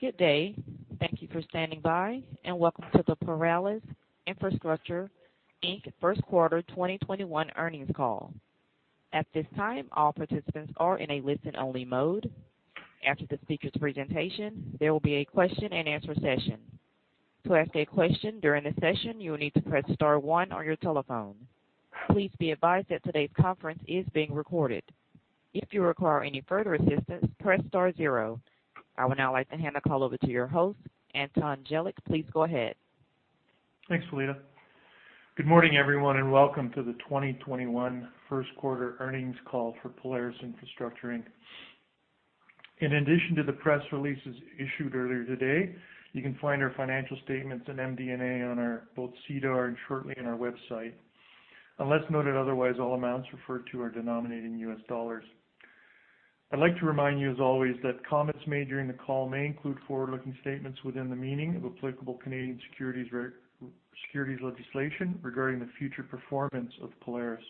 Good day. Thank you for standing by, and welcome to the Polaris Infrastructure, Inc First Quarter 2021 Earnings Call. At this time, all participants are in a listen-only mode. After the speakers' presentation, there will be a question-and-answer session. To ask a question during the session, you will need to press star one on your telephone. Please be advised that today's conference is being recorded. If you require any further assistance, press star zero. I would now like to hand the call over to your host, Anton Jelic. Please go ahead. Thanks, Valeta. Good morning, everyone, and welcome to the 2021 first quarter earnings call for Polaris Infrastructure Inc. In addition to the press releases issued earlier today, you can find our financial statements and MD&A on both SEDAR and shortly on our website. Unless noted otherwise, all amounts referred to are denominated in U.S. dollars. I'd like to remind you, as always, that comments made during the call may include forward-looking statements within the meaning of applicable Canadian securities legislation regarding the future performance of Polaris.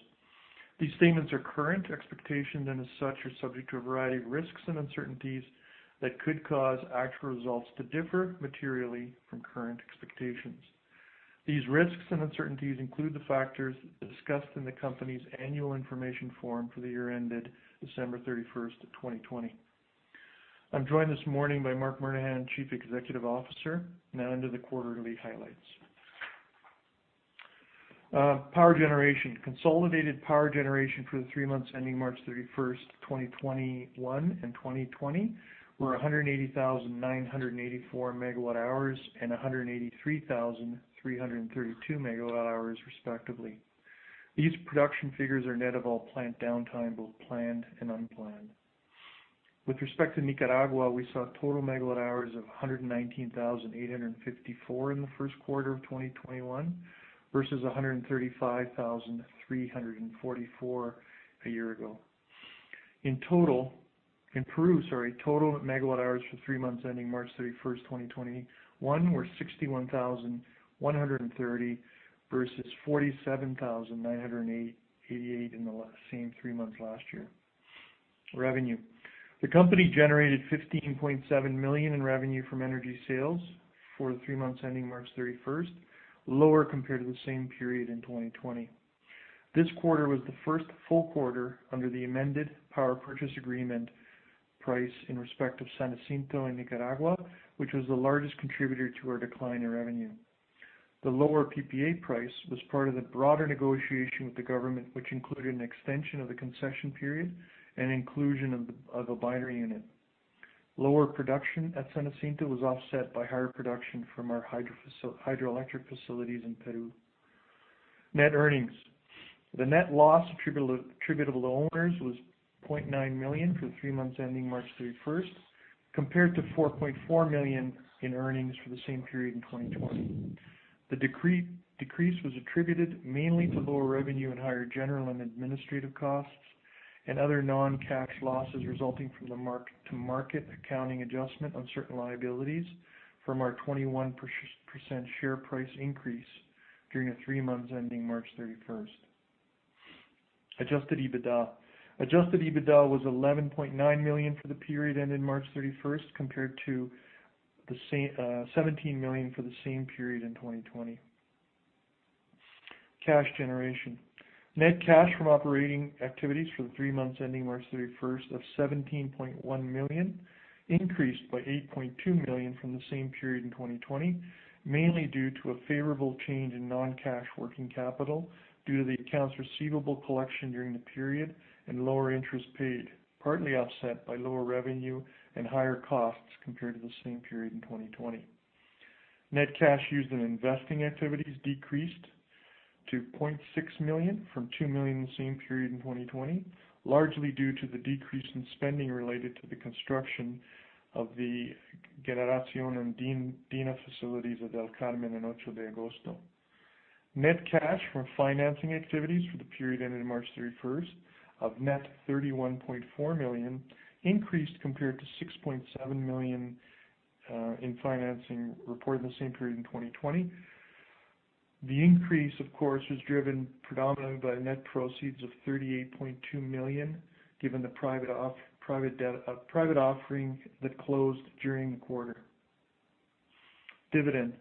These statements are current expectations and as such are subject to a variety of risks and uncertainties that could cause actual results to differ materially from current expectations. These risks and uncertainties include the factors discussed in the company's annual information form for the year ended December 31st of 2020. I'm joined this morning by Marc Murnaghan, Chief Executive Officer. Now, I enter the quarterly highlights. Power generation. Consolidated power generation for the three months ending March 31st, 2021 and 2020 were 180,984 MWh and 183,332 MWh respectively. These production figures are net of all plant downtime, both planned and unplanned. With respect to Nicaragua, we saw total of 119,854 MWh in the first quarter of 2021 versus 135,344 MWh a year ago. In Peru, total megawatt hours for three months ending March 31st, 2021 were 61,130 MWh versus 47,988 MWh in the same three months last year. Revenue. The company generated $15.7 million in revenue from energy sales for the three months ending March 31st, lower compared to the same period in 2020. This quarter was the first full quarter under the amended power purchase agreement price in respect of San Jacinto in Nicaragua, which was the largest contributor to our decline in revenue. The lower PPA price was part of the broader negotiation with the government, which included an extension of the concession period and inclusion of a binary unit. Lower production at San Jacinto was offset by higher production from our hydroelectric facilities in Peru. Net earnings. The net loss attributable to owners was $0.9 million for the three months ending March 31st, compared to $4.4 million in earnings for the same period in 2020. The decrease was attributed mainly to lower revenue and higher general and administrative costs and other non-cash losses resulting from the mark-to-market accounting adjustment on certain liabilities from our 21% share price increase during the three months ending March 31st. Adjusted EBITDA. Adjusted EBITDA was $11.9 million for the period ending March 31st compared to $17 million for the same period in 2020. Cash generation. Net cash from operating activities for the three months ending March 31st of $17.1 million increased by $8.2 million from the same period in 2020, mainly due to a favorable change in non-cash working capital due to the accounts receivable collection during the period and lower interest paid, partly offset by lower revenue and higher costs compared to the same period in 2020. Net cash used in investing activities decreased to $0.6 million from $2 million in the same period in 2020, largely due to the decrease in spending related to the construction of the Generación Andina facilities at El Carmen and 8 de Agosto. Net cash from financing activities for the period ending March 31st of net $31.4 million increased compared to $6.7 million in financing reported in the same period in 2020. The increase, of course, was driven predominantly by net proceeds of $38.2 million, given the private offering that closed during the quarter. Dividend.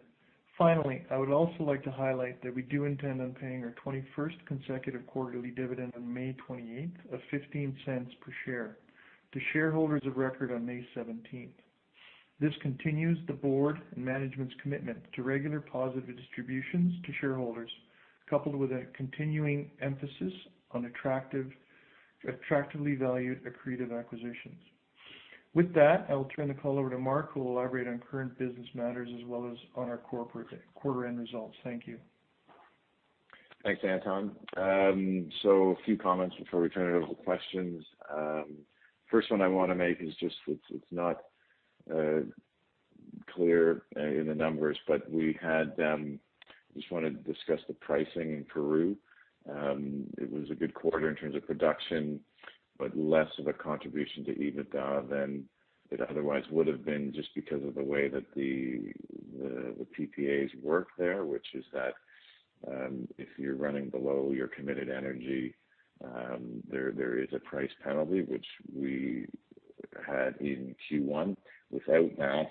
Finally, I would also like to highlight that we do intend on paying our 21st consecutive quarterly dividend on May 28th of $0.15 per share to shareholders of record on May 17th. This continues the board and management's commitment to regular positive distributions to shareholders, coupled with a continuing emphasis on attractively valued accretive acquisitions. With that, I will turn the call over to Marc, who will elaborate on current business matters as well as on our quarter-end results. Thank you. Thanks, Anton. A few comments before we turn it over to questions. First one I want to make is just, it's not clear in the numbers, I just want to discuss the pricing in Peru. It was a good quarter in terms of production, less of a contribution to EBITDA than it otherwise would have been just because of the way that the PPAs work there, which is that if you're running below your committed energy. There is a price penalty, which we had in Q1. Without that,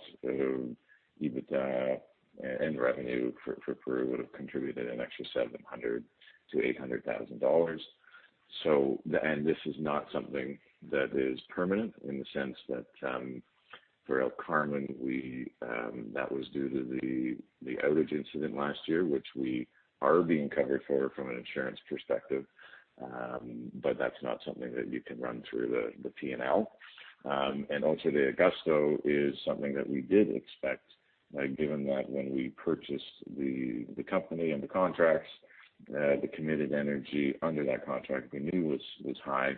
EBITDA and revenue for Peru would have contributed an extra $700,000-$800,000. This is not something that is permanent in the sense that for El Carmen, that was due to the outage incident last year, which we are being covered for from an insurance perspective. That's not something that you can run through the P&L. Also the 8 de Agosto is something that we did expect, given that when we purchased the company and the contracts, the committed energy under that contract we knew was high.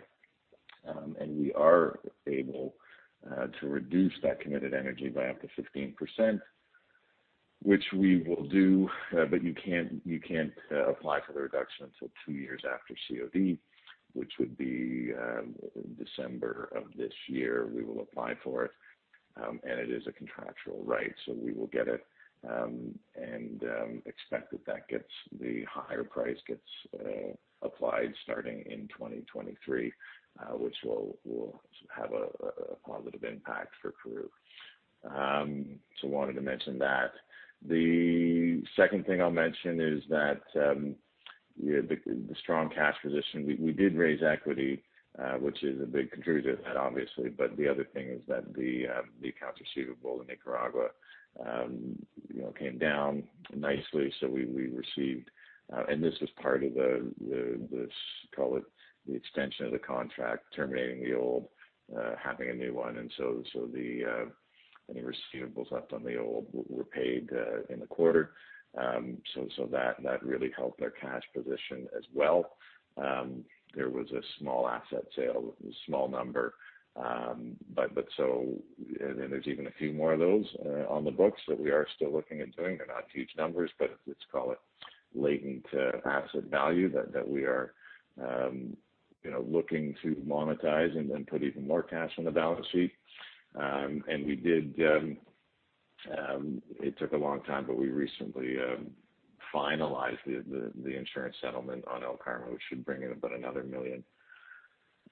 We are able to reduce that committed energy by up to 15%, which we will do. You can't apply for the reduction until two years after COD, which would be December of this year. We will apply for it. It is a contractual right, so we will get it, and expect that the higher price gets applied starting in 2023, which will have a positive impact for Peru. Wanted to mention that. The second thing I'll mention is the strong cash position. We did raise equity, which is a big contributor to that, obviously. The other thing is that the accounts receivable in Nicaragua came down nicely, so we received. This was part of the, call it the extension of the contract, terminating the old, having a new one. Any receivables left on the old were paid in the quarter. That really helped our cash position as well. There was a small asset sale, a small number. There's even a few more of those on the books that we are still looking at doing. They're not huge numbers, but let's call it latent asset value that we are looking to monetize and put even more cash on the balance sheet. It took a long time, but we recently finalized the insurance settlement on El Carmen, which should bring in about another $1 million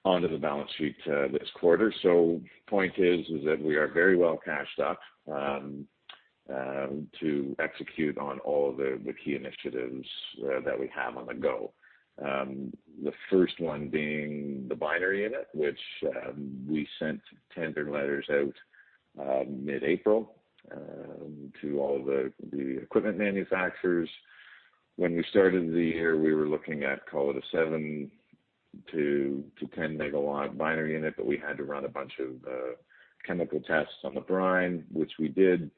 onto the balance sheet this quarter. Point is that we are very well cashed up to execute on all the key initiatives that we have on the go. The first one being the binary unit, which we sent tender letters out mid-April to all the equipment manufacturers. When we started the year, we were looking at, call it a 7 MW-10 MW binary unit, but we had to run a bunch of chemical tests on the brine, which we did,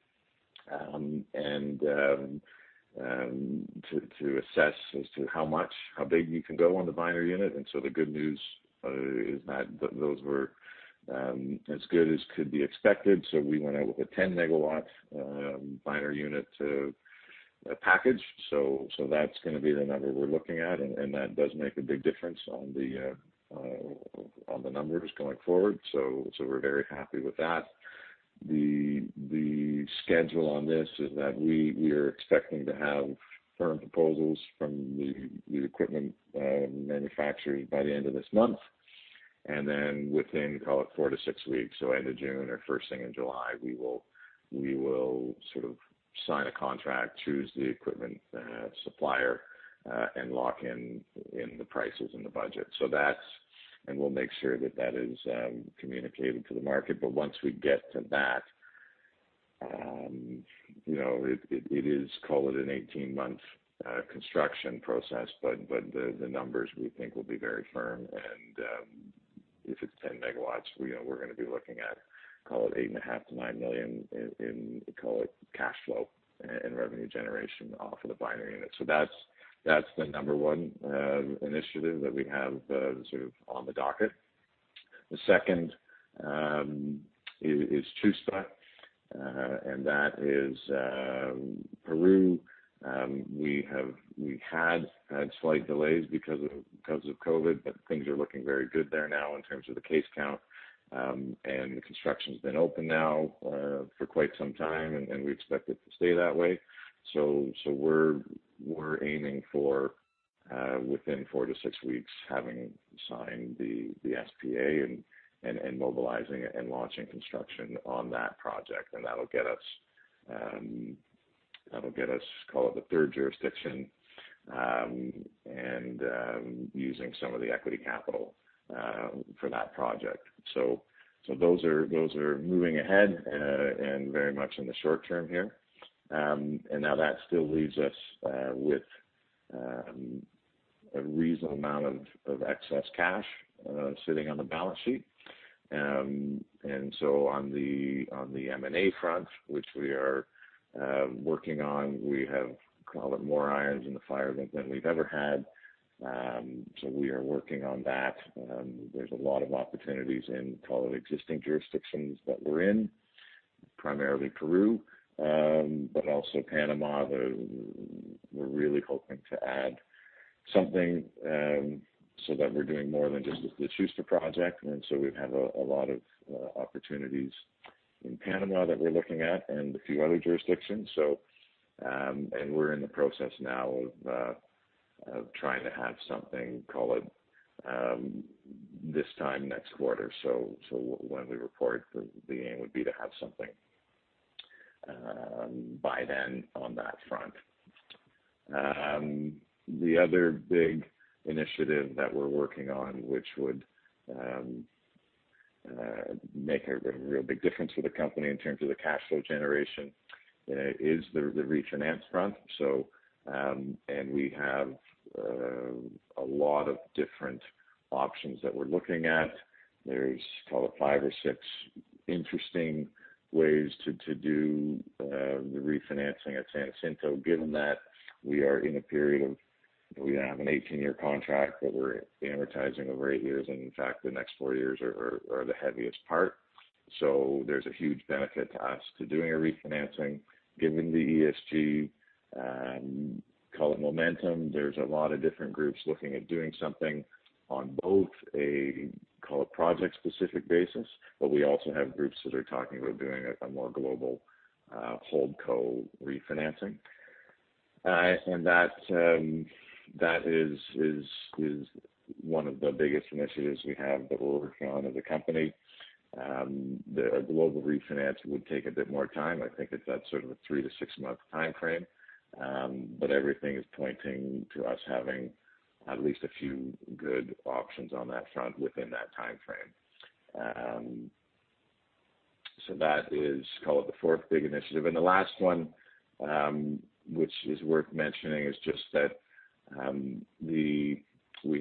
to assess as to how much, how big you can go on the binary unit. The good news is that those were as good as could be expected. We went out with a 10 MW binary unit package. That's going to be the number we're looking at, and that does make a big difference on the numbers going forward. We're very happy with that. The schedule on this is that we are expecting to have firm proposals from the equipment manufacturers by the end of this month. Within, call it four to six weeks, so end of June or first thing in July, we will sign a contract, choose the equipment supplier, and lock in the prices and the budget. We'll make sure that that is communicated to the market. Once we get to that, it is, call it an 18-month construction process, but the numbers we think will be very firm. If it's 10 MW, we're going to be looking at, call it $8.5 million-$9 million in, call it cash flow and revenue generation off of the binary unit. The second is Chuspa, and that is Peru. We had slight delays because of COVID. Things are looking very good there now in terms of the case count. The construction's been open now for quite some time, and we expect it to stay that way. We're aiming for within four to six weeks, having signed the SPA and mobilizing it and launching construction on that project. That'll get us, call it the third jurisdiction, and using some of the equity capital for that project. Those are moving ahead and very much in the short term here. Now that still leaves us with a reasonable amount of excess cash sitting on the balance sheet. On the M&A front, which we are working on, we have, call it more irons in the fire than we've ever had. We are working on that. There's a lot of opportunities in, call it existing jurisdictions that we're in, primarily Peru, but also Panama. We're really hoping to add something so that we're doing more than just the Chuspa project. We have a lot of opportunities in Panama that we're looking at and a few other jurisdictions. We're in the process now of trying to have something, call it, this time next quarter. When we report, the aim would be to have something by then on that front. The other big initiative that we're working on, which would make a real big difference for the company in terms of the cash flow generation, is the refinance front. We have a lot of different options that we're looking at. There's, call it, five or six interesting ways to do the refinancing at San Jacinto, given that we are in a period of, we have an 18-year contract that we're amortizing over eight years, and in fact, the next four years are the heaviest part. There's a huge benefit to us to doing a refinancing, given the ESG, call it momentum. There's a lot of different groups looking at doing something on both a, call it, project specific basis, but we also have groups that are talking about doing a more global HoldCo refinancing. That is one of the biggest initiatives we have that we're working on as a company. The global refinance would take a bit more time. I think that that's sort of a three to six-month timeframe. Everything is pointing to us having at least a few good options on that front within that timeframe. That is, call it, the fourth big initiative. The last one, which is worth mentioning, is just that we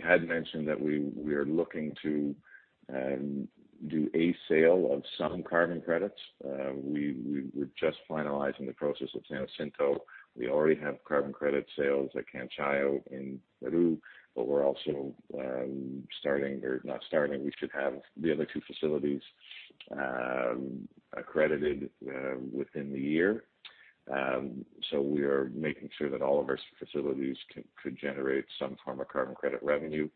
had mentioned that we are looking to do a sale of some carbon credits. We're just finalizing the process at San Jacinto. We already have carbon credit sales at Canchayllo in Peru, but we're also starting, or not starting, we should have the other two facilities accredited within the year. We are making sure that all of our facilities could generate some form of carbon credit revenue.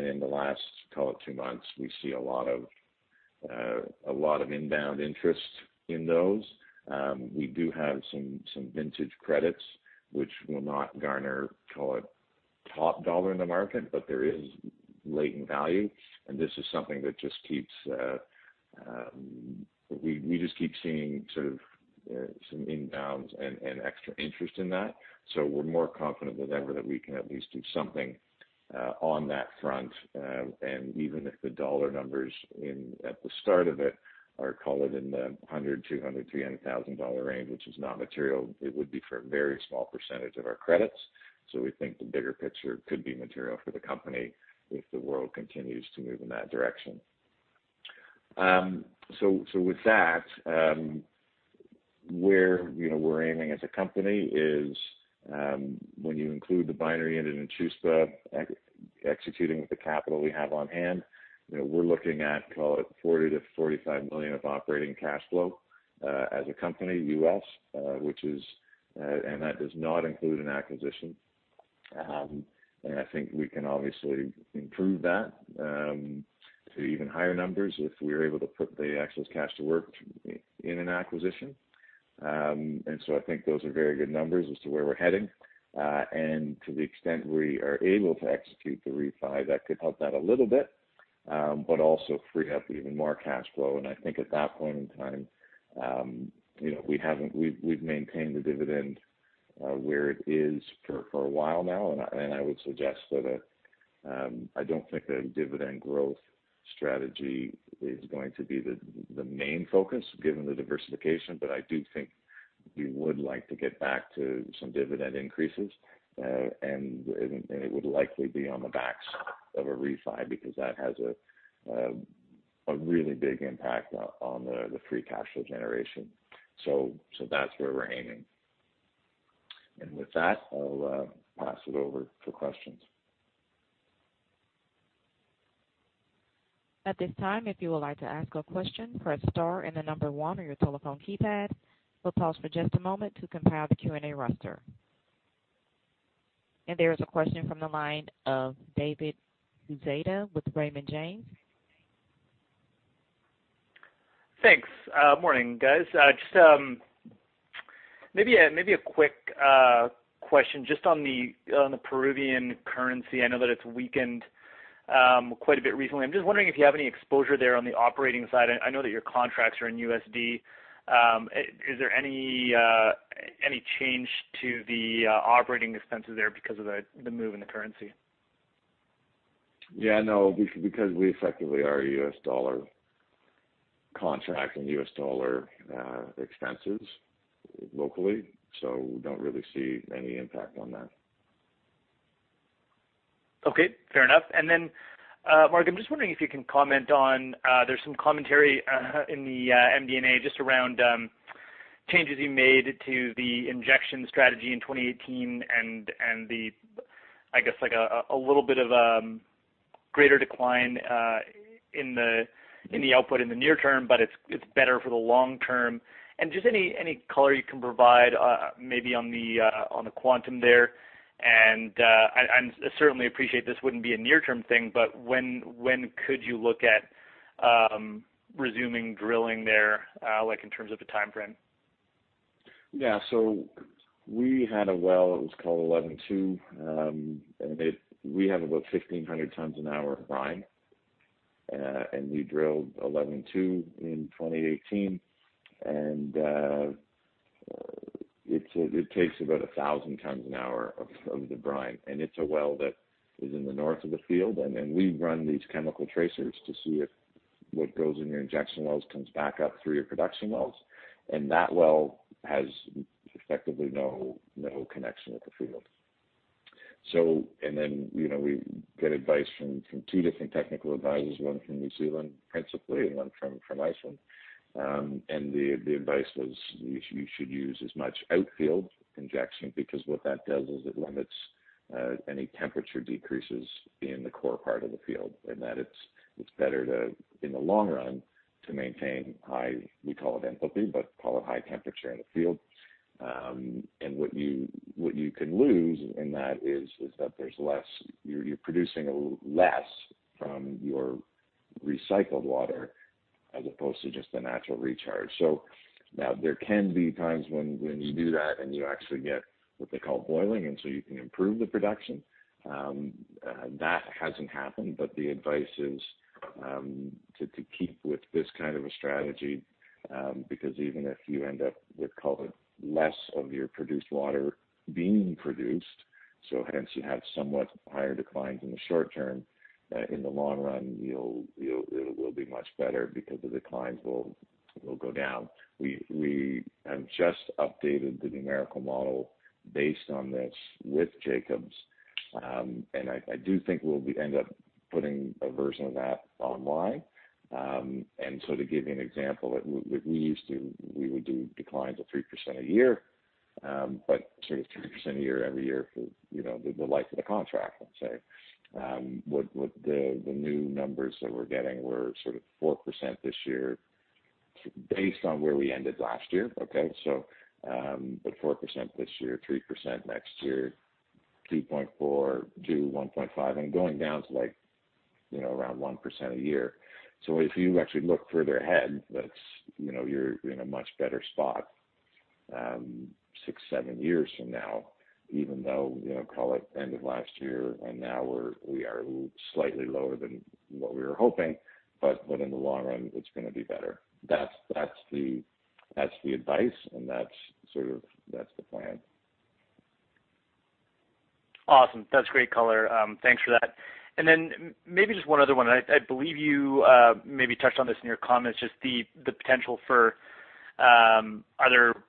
In the last, call it two months, we see a lot of inbound interest in those. We do have some vintage credits, which will not garner, call it, top dollar in the market, but there is latent value, and this is something that we just keep seeing sort of some inbounds and extra interest in that. We are more confident than ever that we can at least do something on that front. Even if the dollar numbers at the start of it are, call it in the $100,000, $200,000, $300,000 range, which is not material, it would be for a very small % of our credits. We think the bigger picture could be material for the company if the world continues to move in that direction. With that, where we're aiming as a company is, when you include the binary unit in Chuspa, executing with the capital we have on hand, we're looking at, call it, $40 million-$45 million of operating cash flow, as a company, and that does not include an acquisition. I think we can obviously improve that to even higher numbers if we're able to put the excess cash to work in an acquisition. I think those are very good numbers as to where we're heading. To the extent we are able to execute the refi, that could help that a little bit. Also free up even more cash flow, and I think at that point in time, we've maintained the dividend where it is for a while now, and I would suggest that I don't think the dividend growth strategy is going to be the main focus given the diversification, but I do think we would like to get back to some dividend increases. It would likely be on the backs of a refi because that has a really big impact on the free cash flow generation. That's where we're aiming. With that, I'll pass it over for questions. At this time, if you would like to ask a question, press star and the number one on your telephone keypad. We'll pause for just a moment to compile the Q&A roster. There is a question from the line of David Quezada with Raymond James. Thanks. Morning, guys. Maybe a quick question on the Peruvian currency. I know that it's weakened quite a bit recently. I'm wondering if you have any exposure there on the operating side. I know that your contracts are in USD. Is there any change to the operating expenses there because of the move in the currency? Yeah, no, because we effectively are a U.S. dollar contract and U.S. dollar expenses locally. We don't really see any impact on that. Okay, fair enough. Marc, I'm just wondering if you can comment on, there's some commentary in the MD&A just around changes you made to the injection strategy in 2018 and the, I guess a little bit of greater decline in the output in the near term, but it's better for the long term. Just any color you can provide maybe on the quantum there. I certainly appreciate this wouldn't be a near-term thing, but when could you look at resuming drilling there, in terms of a timeframe? Yeah. We had a well, it was called 11-2. We have about 1,500 tons an hour of brine. We drilled 11-2 in 2018, and it takes about 1,000 tons an hour of the brine. It's a well that is in the north of the field. We run these chemical tracers to see if what goes in your injection wells comes back up through your production wells. That well has effectively no connection with the field. We get advice from two different technical advisors, one from New Zealand principally, and one from Iceland. The advice was, you should use as much outfield injection, because what that does is it limits any temperature decreases in the core part of the field. That it's better to, in the long run, to maintain high, we call it enthalpy, but call it high temperature in the field. What you can lose in that is that you're producing a little less from your recycled water as opposed to just the natural recharge. There can be times when you do that and you actually get what they call boiling, you can improve the production. That hasn't happened, but the advice is to keep with this kind of a strategy, because even if you end up with call it less of your produced water being produced, you have somewhat higher declines in the short term, in the long run, it will be much better because of the declines will go down. We have just updated the numerical model based on this with Jacobs. I do think we'll end up putting a version of that online. To give you an example, we would do declines of 3% a year. Sort of 3% a year, every year for the life of the contract, let's say. What the new numbers that we're getting were sort of 4% this year based on where we ended last year. Okay. 4% this year, 3% next year, 2.4%, 2%, 1.5%, and going down to around 1% a year. If you actually look further ahead, you're in a much better spot six, seven years from now, even though, call it end of last year and now we are slightly lower than what we were hoping, but in the long run, it's going to be better. That's the advice and that's the plan. Awesome. That's great color. Thanks for that. Maybe just one other one. I believe you maybe touched on this in your comments, just the potential for other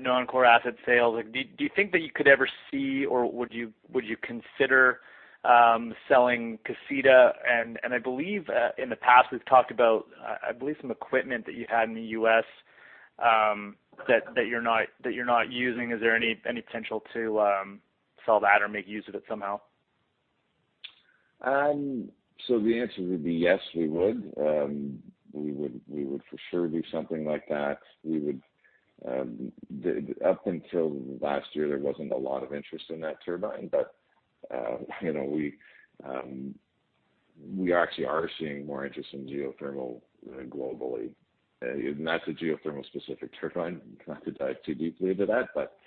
non-core asset sales. Do you think that you could ever see, or would you consider selling Casita? I believe, in the past we've talked about, I believe some equipment that you had in the U.S. that you're not using. Is there any potential to sell that or make use of it somehow? The answer would be yes, we would. We would for sure do something like that. Up until last year, there wasn't a lot of interest in that turbine. We actually are seeing more interest in geothermal globally. That's a geothermal specific turbine. Not to dive too deeply into that, but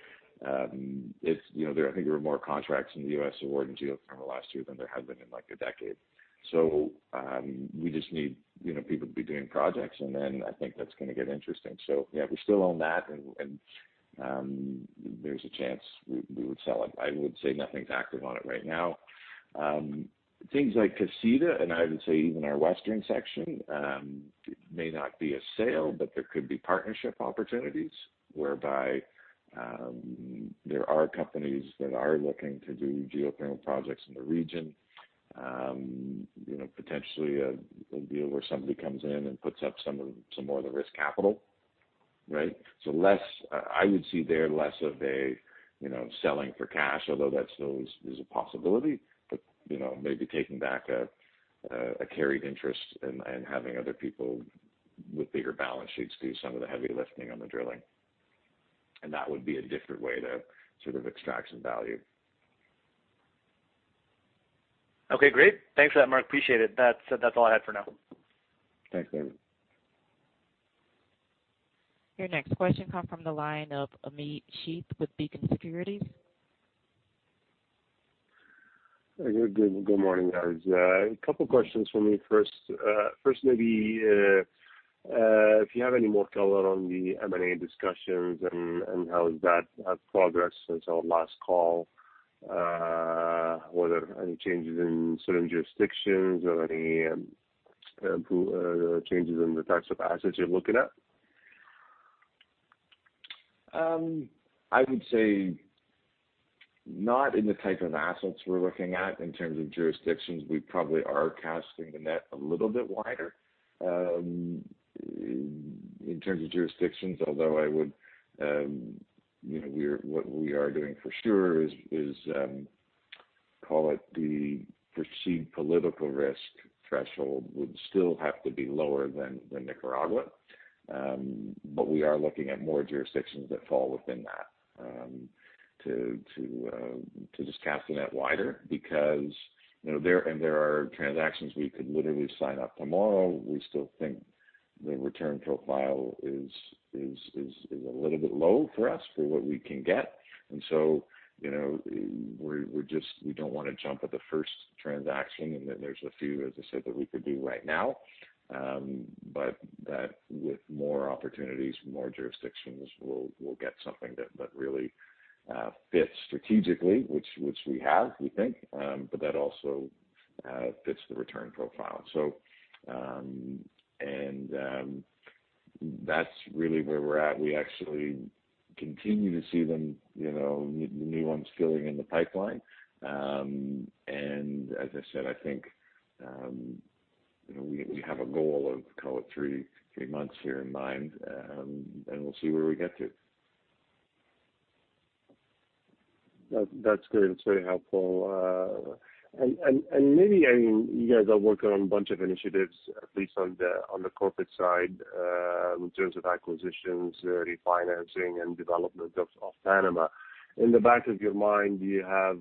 I think there were more contracts in the U.S. awarded in geothermal last year than there have been in like a decade. We just need people to be doing projects, and then I think that's going to get interesting. Yeah, we still own that and there's a chance we would sell it. I would say nothing's active on it right now. Things like Casita, and I would say even our western section, may not be a sale, but there could be partnership opportunities whereby there are companies that are looking to do geothermal projects in the region. Potentially a deal where somebody comes in and puts up some more of the risk capital. Right? I would see there less of a selling for cash, although that still is a possibility. Maybe taking back a carried interest and having other people with bigger balance sheets do some of the heavy lifting on the drilling. That would be a different way to sort of extraction value. Okay, great. Thanks for that, Marc. Appreciate it. That's all I had for now. Thanks, David. Your next question comes from the line of Ahmad Shaath with Beacon Securities. Good morning, guys. A couple questions for me. First maybe, if you have any more color on the M&A discussions and how has that progressed since our last call. Were there any changes in certain jurisdictions or any changes in the types of assets you're looking at? I would say not in the type of assets we're looking at. In terms of jurisdictions, we probably are casting the net a little bit wider. In terms of jurisdictions, although what we are doing for sure is, call it the perceived political risk threshold would still have to be lower than Nicaragua. We are looking at more jurisdictions that fall within that. To just cast the net wider because there are transactions we could literally sign up tomorrow. We still think the return profile is a little bit low for us for what we can get. We don't want to jump at the first transaction, and then there's a few, as I said, that we could do right now. With more opportunities, more jurisdictions, we'll get something that really fits strategically, which we have, we think, but that also fits the return profile. That's really where we're at. We actually continue to see them, the new ones filling in the pipeline. As I said, I think, we have a goal of, call it three months here in mind, and we'll see where we get to. That's great. That's very helpful. Maybe, you guys are working on a bunch of initiatives, at least on the corporate side, in terms of acquisitions, refinancing, and development of Panama. In the back of your mind, do you have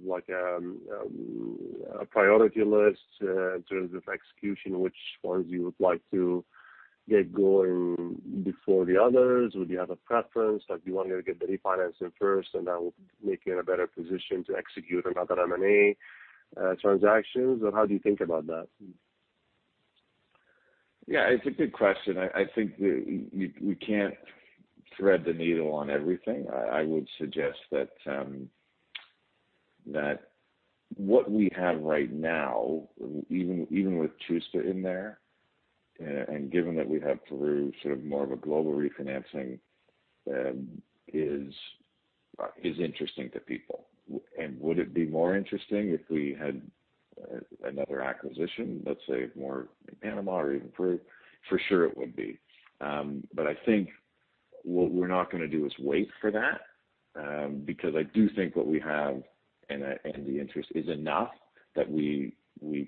a priority list in terms of execution, which ones you would like to get going before the others? Would you have a preference? Do you want to get the refinancing first, and that will make you in a better position to execute another M&A transactions? How do you think about that? Yeah, it's a good question. I think that we can't thread the needle on everything. I would suggest that what we have right now, even with Chuspa in there, and given that we have Peru, sort of more of a global refinancing, is interesting to people. Would it be more interesting if we had another acquisition, let's say more Panama or even Peru? For sure it would be. I think what we're not going to do is wait for that, because I do think what we have, and the interest is enough that we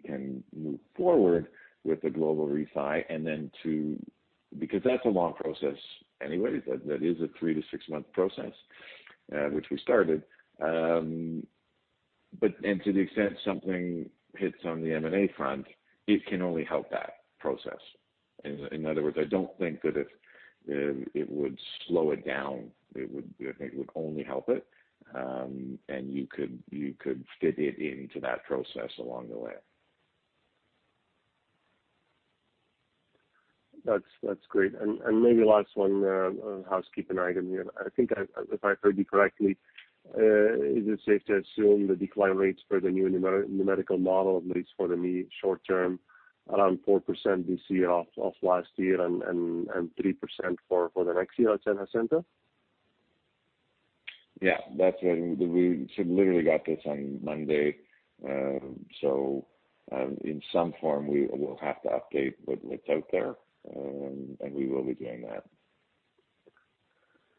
can move forward with the global refi because that's a long process anyway. That is a three to six month process, which we started. To the extent something hits on the M&A front, it can only help that process. In other words, I don't think that it would slow it down. I think it would only help it. You could fit it into that process along the way. That's great. Maybe last one, a housekeeping item here. I think if I heard you correctly, is it safe to assume the decline rates for the new numerical model, at least for the short term, around 4% this year off last year and 3% for the next year at San Jacinto? Yeah. We literally got this on Monday. In some form, we will have to update what's out there, and we will be doing that.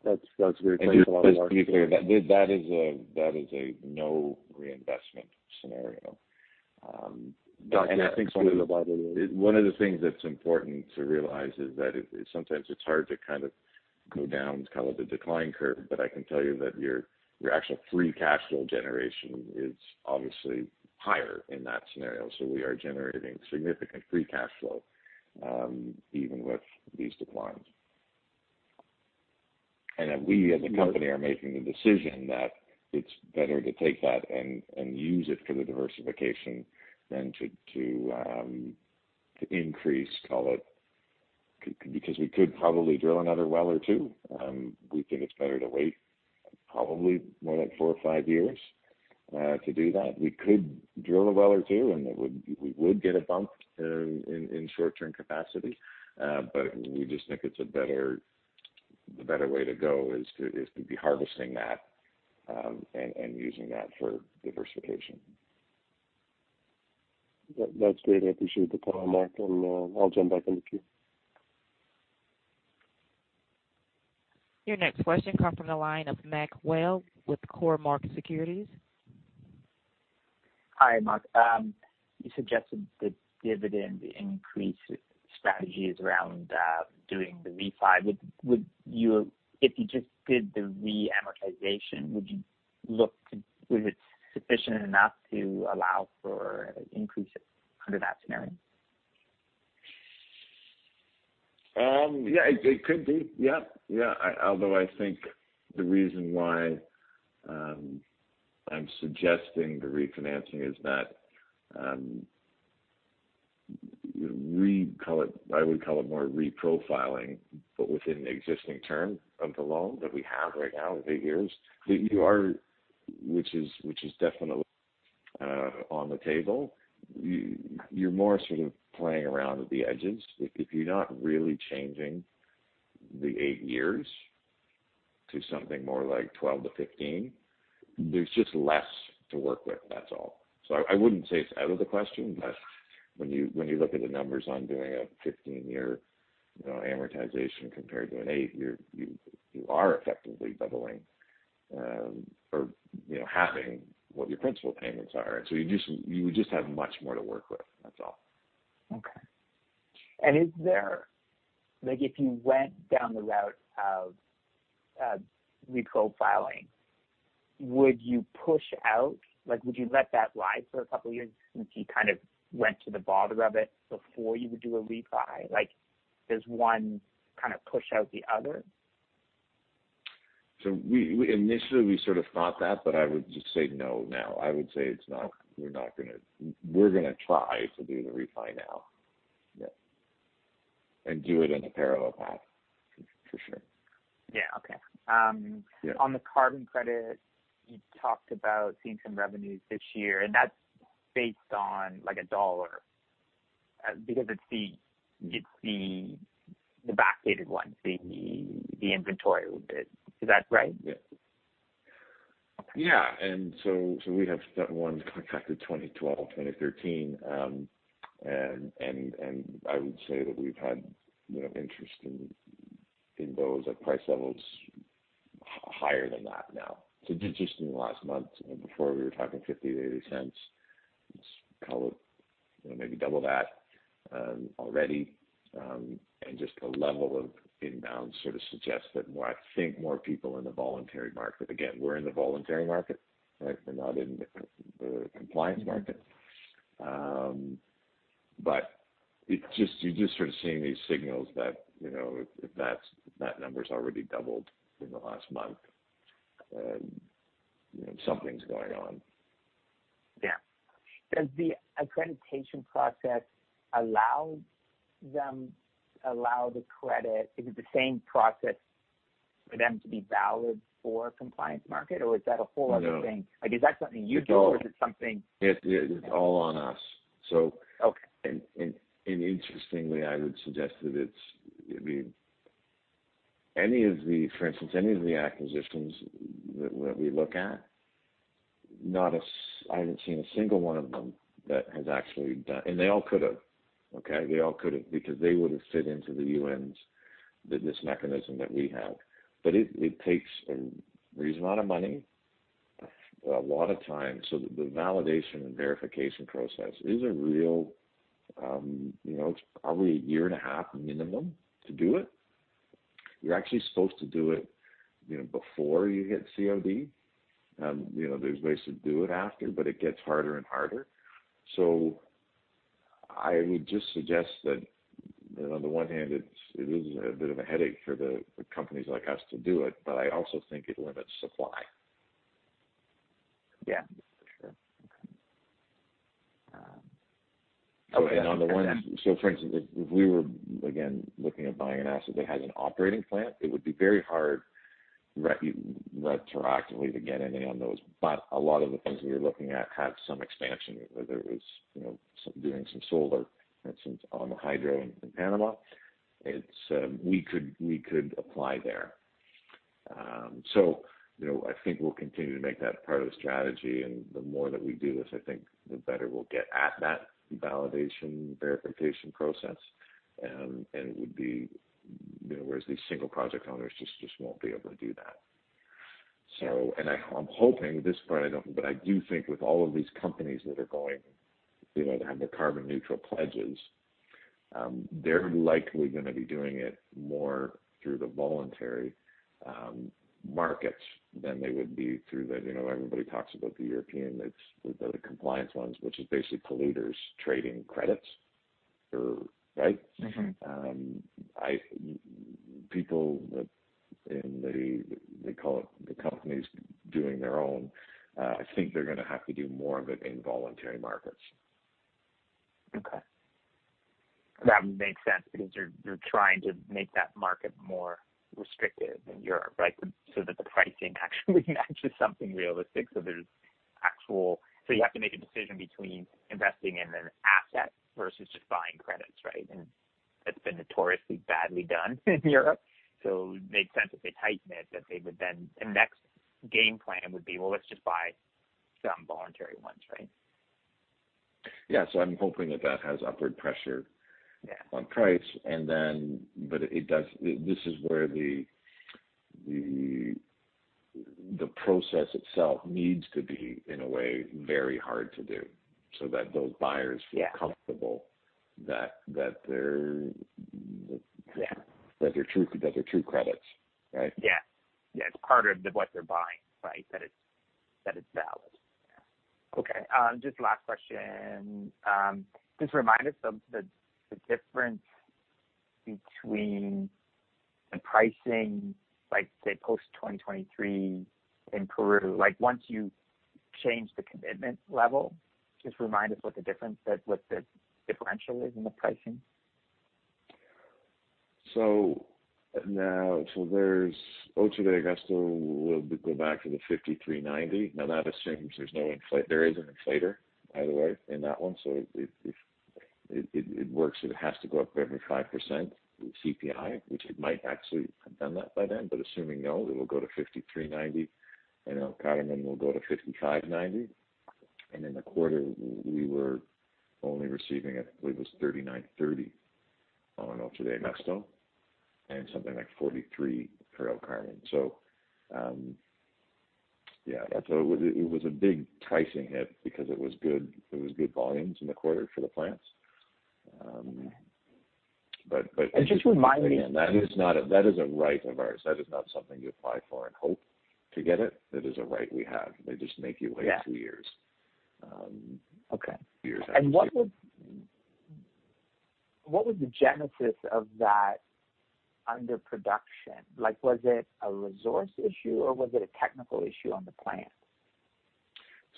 That's great. Thanks a lot, Marc. Just to be clear, that is a no reinvestment scenario. Got you. I think one of the things that's important to realize is that sometimes it's hard to kind of go down the decline curve, but I can tell you that your actual free cash flow generation is obviously higher in that scenario. We are generating significant free cash flow, even with these declines. That we as a company are making the decision that it's better to take that and use it for the diversification than to increase. We could probably drill another well or two. We think it's better to wait, probably more like four or five years to do that. We could drill a well or two, and we would get a bump in short-term capacity. We just think it's a better way to go, is to be harvesting that, and using that for diversification. That's great. I appreciate the call, Marc, and I'll jump back in the queue. Your next question comes from the line of Mac Whale with Cormark Securities. Hi, Marc. You suggested the dividend increase strategy is around doing the refi. If you just did the reamortization, was it sufficient enough to allow for an increase under that scenario? Yeah, it could be. Yeah. I think the reason why I'm suggesting the refinancing is that, I would call it more reprofiling, but within the existing term of the loan that we have right now, the eight years. You are, which is definitely on the table. You're more sort of playing around at the edges. If you're not really changing the eight years to something more like 12-15 years, there's just less to work with, that's all. I wouldn't say it's out of the question, but when you look at the numbers on doing a 15-year amortization compared to an eight-year, you are effectively doubling, or halving what your principal payments are. You would just have much more to work with, that's all. Okay. If you went down the route of reprofiling, would you push out? Would you let that lie for a couple of years since you went to the bother of it before you would do a refi? Does one push out the other? Initially we sort of thought that, but I would just say no now. I would say it's not. We're going to try to do the refi now. Yeah. Do it in a parallel path, for sure. Yeah, okay. Yeah. On the carbon credit, you talked about seeing some revenues this year, and that's based on $1, because it's the backdated one, the inventory. Is that right? Yeah. Okay. Yeah. We have that one contracted 2012, 2013. I would say that we've had interest in those at price levels higher than that now. Just in the last month, before we were talking $0.50-$0.80. It's probably maybe double that already. Just the level of inbound sort of suggests that I think more people in the voluntary market. Again, we're in the voluntary market, right? We're not in the compliance market. You're just sort of seeing these signals that if that number's already doubled in the last month, something's going on. Yeah. Does the accreditation process allow the credit? Is it the same process for them to be valid for compliance market, or is that a whole other thing? No. Is that something you do? It's all- Or is it something- It's all on us. Okay. Interestingly, I would suggest that it's. For instance, any of the acquisitions that we look at, I haven't seen a single one of them that has actually done. They all could have. Okay. They all could have, because they would have fit into the UN's business mechanism that we have. It takes a reasonable amount of money, a lot of time. The validation and verification process is probably a year and a half minimum to do it. You're actually supposed to do it before you hit COD. There's ways to do it after, it gets harder and harder. I would just suggest that on the one hand, it is a bit of a headache for the companies like us to do it, I also think it limits supply. Yeah, for sure. Okay. On the one hand, for instance, if we were, again, looking at buying an asset that has an operating plant, it would be very hard retroactively to get anything on those. A lot of the things we were looking at have some expansion, whether it's doing some solar and some hydro in Panama. We could apply there. I think we'll continue to make that part of the strategy, and the more that we do this, I think the better we'll get at that validation, verification process, and whereas these single project owners just won't be able to do that. I'm hoping, this part I don't, but I do think with all of these companies that are going to have the carbon neutral pledges, they're likely going to be doing it more through the voluntary markets than they would be through the, everybody talks about the European, the compliance ones, which is basically polluters trading credits. Right? People, they call it the companies doing their own. I think they're going to have to do more of it in voluntary markets. Okay. That makes sense because you're trying to make that market more restrictive in Europe, right? That the pricing actually matches something realistic. You have to make a decision between investing in an asset versus just buying credits, right? That's been notoriously badly done in Europe. It would make sense if they tighten it, that they would then the next game plan would be, well, let's just buy some voluntary ones, right? Yeah. I'm hoping that that has upward pressure on price. This is where the process itself needs to be, in a way, very hard to do so that those buyers feel comfortable- Yeah That they're true credits. Right? Yeah. It's part of what they're buying, that it's valid. Yeah. Okay. Just last question. Just remind us of the difference between the pricing, say, post 2023 in Peru. Once you change the commitment level, just remind us what the difference, what the differential is in the pricing. Now, there's 8 de Agosto, we'll go back to the $53.90. That assumes there's no inflator. There is an inflator, by the way, in that one. It works, it has to go up every 5% with CPI, which it might actually have done that by then. Assuming no, it will go to $53.90 and El Carmen will go to $55.90. Then the quarter, we were only receiving, I believe, was $39.30 on 8 de Agosto and something like $43 for El Carmen. Yeah. It was a big pricing hit because it was good volumes in the quarter for the plants. Just remind me. That is a right of ours. That is not something you apply for and hope to get it. It is a right we have. They just make you wait two years. Okay. What was the genesis of that underproduction? Was it a resource issue or was it a technical issue on the plant?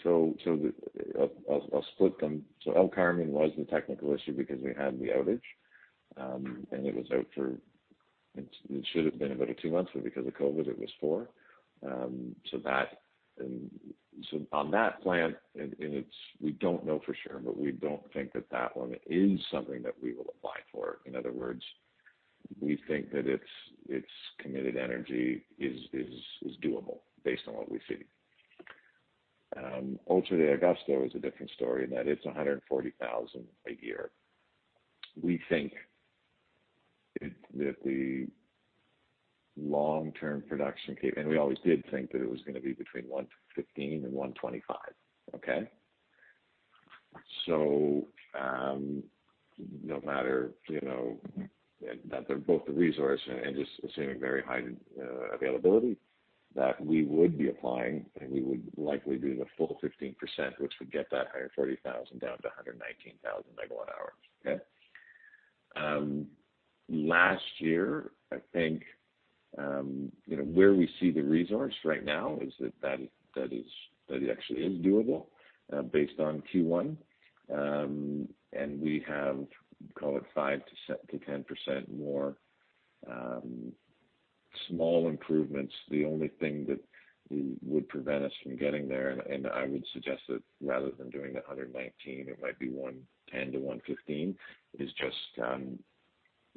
I'll split them. El Carmen was the technical issue because we had the outage, and it was out for, it should've been about two months, but because of COVID, it was four months. On that plant, and we don't know for sure, but we don't think that that one is something that we will apply for. In other words, we think that its committed energy is doable based on what we see. 8 de Agosto is a different story in that it's 140,000 MWh a year. We think that the long-term production capability, and we always did think that it was going to be between 115,000 MWh and 125,000 MWh. Okay. No matter that they're both the resource and just assuming very high availability, that we would be applying, and we would likely do the full 15%, which would get that 140,000 MWh down to 119,000 MWh. Okay. Last year, I think, where we see the resource right now is that it actually is doable based on Q1. We have, call it 5%-10% more small improvements. The only thing that would prevent us from getting there, I would suggest that rather than doing the 119,000 MWh, it might be 110,000 MWh-115,000 MWh, is just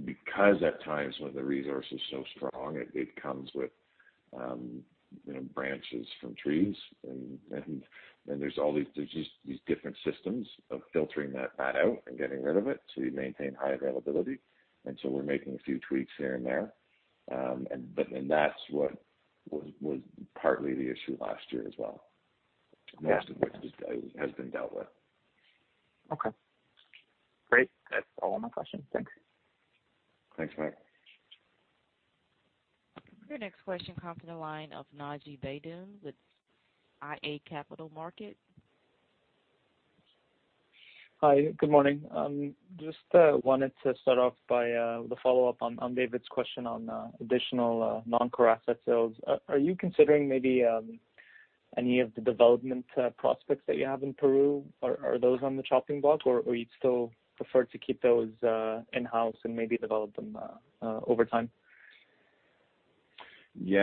because at times when the resource is so strong, it comes with branches from trees and there's just these different systems of filtering that out and getting rid of it so you maintain high availability. We're making a few tweaks here and there. That's what was partly the issue last year as well, most of which has been dealt with. Okay, great. That's all of my questions. Thanks. Thanks, Mac. Your next question comes from the line of Naji Baydoun with iA Capital Markets. Hi, good morning. Just wanted to start off by the follow-up on David's question on additional non-core asset sales. Are you considering maybe any of the development prospects that you have in Peru? Are those on the chopping block, or you'd still prefer to keep those in-house and maybe develop them over time?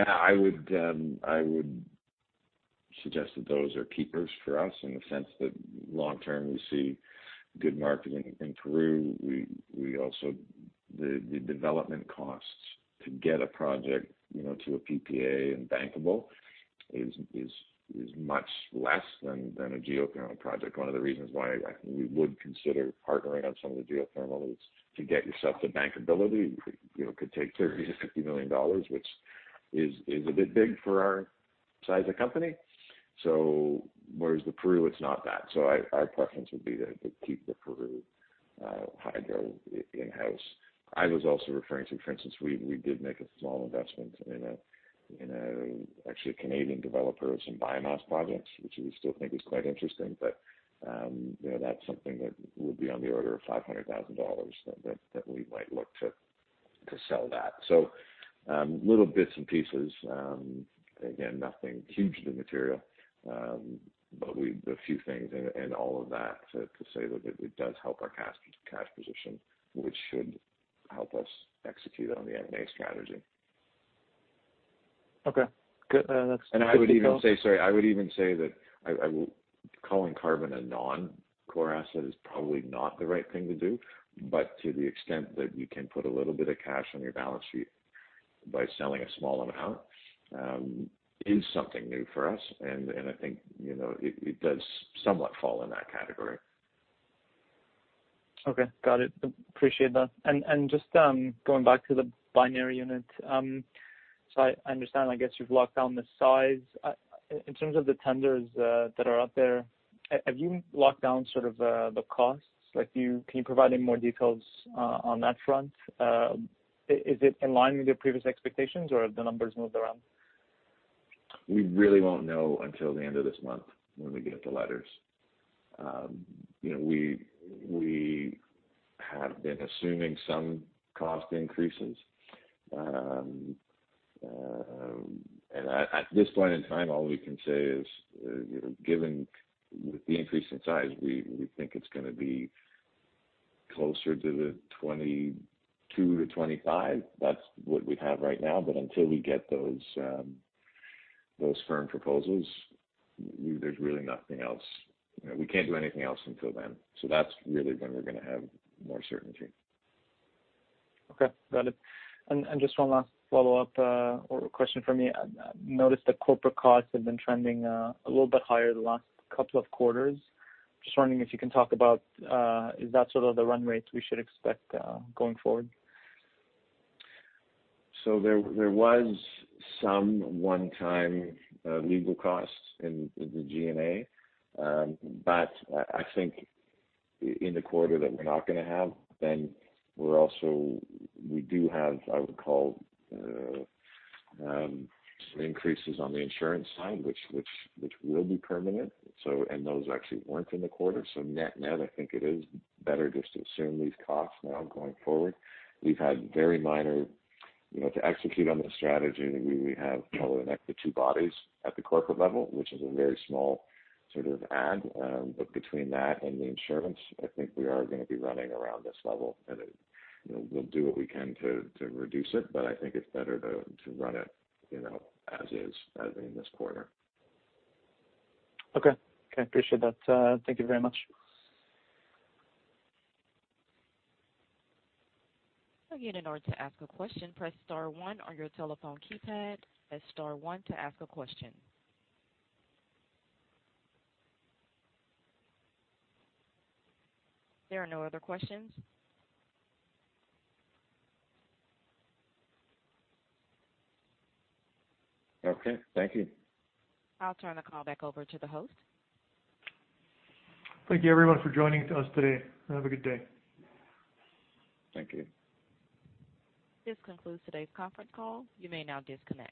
I would suggest that those are keepers for us in the sense that long term we see good marketing in Peru. The development costs to get a project to a PPA and bankable is much less than a geothermal project. One of the reasons why we would consider partnering on some of the geothermal is to get yourself to bankability, could take $30 million-$50 million, which is a bit big for our size of company. Whereas the Peru, it's not that. Our preference would be to keep the Peru hydro in-house. I was also referring to, for instance, we did make a small investment in a, actually, a Canadian developer of some biomass projects, which we still think is quite interesting. That's something that would be on the order of $500,000 that we might look to sell that. Little bits and pieces, again, nothing hugely material. A few things and all of that to say that it does help our cash position, which should help us execute on the M&A strategy. Okay, good. I would even say, sorry, I would even say that calling carbon a non-core asset is probably not the right thing to do, but to the extent that you can put a little bit of cash on your balance sheet by selling a small amount, is something new for us, and I think it does somewhat fall in that category. Okay. Got it. Appreciate that. Just going back to the binary unit. I understand, I guess you've locked down the size. In terms of the tenders that are out there, have you locked down sort of the costs? Can you provide any more details on that front? Is it in line with your previous expectations, or have the numbers moved around? We really won't know until the end of this month when we get the letters. We have been assuming some cost increases. At this point in time, all we can say is, given with the increase in size, we think it's going to be closer to the $22 million-$25 million. That's what we have right now, but until we get those firm proposals, there's really nothing else. We can't do anything else until then. That's really when we're going to have more certainty. Okay. Got it. Just one last follow-up or question from me. I noticed the corporate costs have been trending a little bit higher the last couple of quarters. Just wondering if you can talk about, is that sort of the run rates we should expect going forward? There was some one-time legal costs in the G&A. I think in the quarter that we're not going to have, then we do have, I would call, some increases on the insurance side, which will be permanent. Those actually weren't in the quarter. Net-net, I think it is better just to assume these costs now going forward. We've had very minor, to execute on the strategy, we have probably an extra two bodies at the corporate level, which is a very small sort of add. Between that and the insurance, I think we are going to be running around this level, and we'll do what we can to reduce it, but I think it's better to run it as is, as in this quarter. Okay. Appreciate that. Thank you very much. Again, in order to ask a question, press star one on your telephone keypad. Press star one to ask a question. There are no other questions. Okay, thank you. I'll turn the call back over to the host. Thank you everyone for joining us today. Have a good day. Thank you. This concludes today's conference call. You may now disconnect.